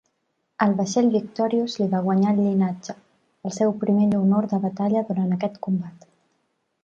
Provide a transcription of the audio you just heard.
El vaixell Victorius li va guanyar al llinatge, el seu primer honor de batalla durant aquest combat.